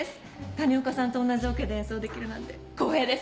谷岡さんと同じオケで演奏できるなんて光栄です！